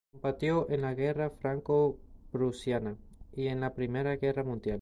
Combatió en la guerra franco-prusiana y en la Primera Guerra Mundial.